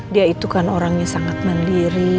dia itu kan orang yang sangat mandiri